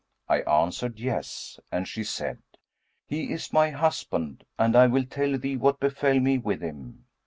I answered, 'Yes;' and she said, 'He is my husband, and I will tell thee what befell me with him.